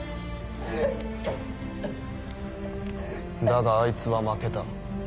だがあいつは負けた。